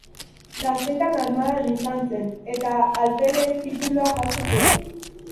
Gaztetan armadan izan zen, eta alferez titulua jaso zuen.